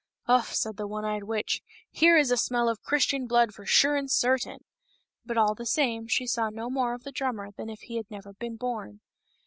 " Uff !" said the one eyed witch, " here is a smell of Christian blood, for sure and certain." But all the same, she saw no more of the drummer than if he had never been born.